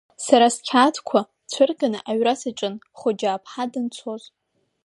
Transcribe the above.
Сара сқьаадқәа цәырганы аҩра саҿын Хоџьааԥҳа данцоз.